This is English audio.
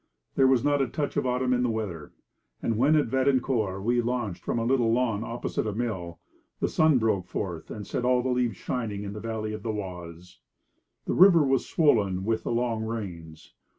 There was not a touch of autumn in the weather. And when, at Vadencourt, we launched from a little lawn opposite a mill, the sun broke forth and set all the leaves shining in the valley of the Oise. The river was swollen with the long rains.